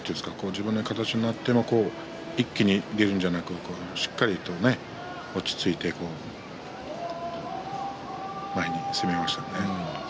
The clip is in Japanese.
自分の形になっても一気に出るんじゃなくしっかりと落ち着いて前に攻めましたよね。